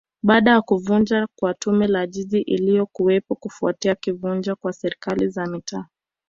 Baada ya kuvunjwa kwa Tume ya Jiji iliyokuwepo kufuatia kuvunjwa kwa Serikali za Mitaa